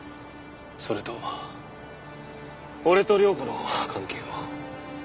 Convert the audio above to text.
それと俺と涼子の関係を。